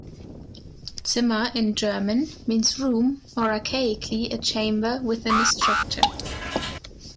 "Zimmer" in German means room or archaically a chamber within a structure.